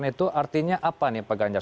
itu artinya apa nih pak ganjar